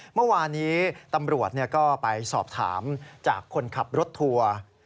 เมื่อวานี้ตำรวจก็ไปสอบถามจากคนขับรถทัวร์